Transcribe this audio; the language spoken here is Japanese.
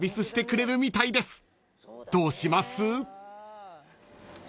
［どうします？］